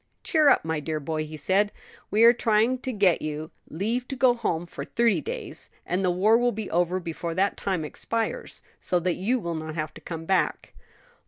"Cheer up, my dear boy," he said, "we are trying to get you leave to go home for thirty days, and the war will be over before the time expires; so that you will not have to come back."